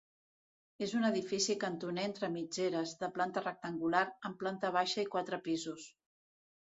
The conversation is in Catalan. És un edifici cantoner entre mitgeres, de planta rectangular, amb planta baixa i quatre pisos.